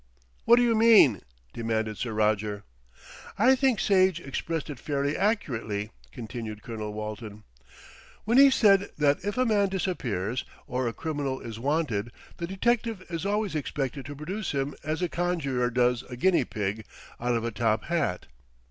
"What do you mean?" demanded Sir Roger. "I think Sage expressed it fairly accurately," continued Colonel Walton, "when he said that if a man disappears, or a criminal is wanted, the detective is always expected to produce him as a conjurer does a guinea pig out of a top hat."